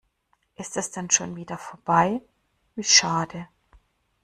Ist es denn schon wieder vorbei, wie schade.